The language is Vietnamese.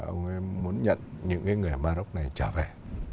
ông ấy muốn nhận những cái người morocco này trở về